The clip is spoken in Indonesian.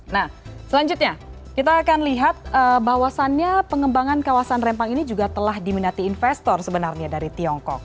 nah selanjutnya kita akan lihat bahwasannya pengembangan kawasan rempang ini juga telah diminati investor sebenarnya dari tiongkok